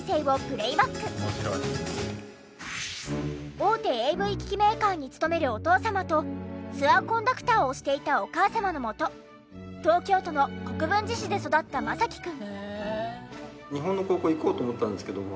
大手ＡＶ機器メーカーに勤めるお父様とツアーコンダクターをしていたお母様のもと東京都の国分寺市で育ったマサキくん。